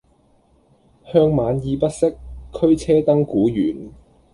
向晚意不適，驅車登古原。